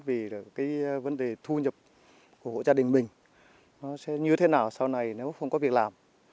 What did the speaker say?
vì cái vấn đề thu nhập của hộ gia đình mình nó sẽ như thế nào sau này nếu không có việc làm